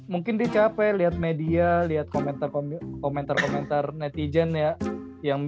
mungkin dia capek liat media liat komentar komentar netizen ya